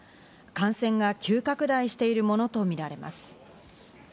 感染が急拡大しているものとみられます。